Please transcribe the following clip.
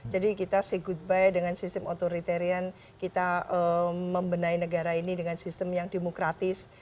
jadi kita say goodbye dengan sistem otoritarian kita membenahi negara ini dengan sistem yang demokratis